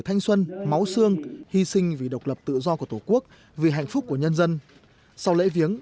thanh xuân máu xương hy sinh vì độc lập tự do của tổ quốc vì hạnh phúc của nhân dân sau lễ viếng